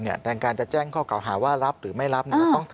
ทางการจะแจ้งข้อเก่าหาว่ารับหรือไม่รับ